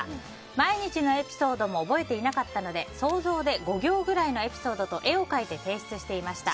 毎日のエピソードも覚えていなかったので想像で５行ぐらいのエピソードと絵を描いて提出していました。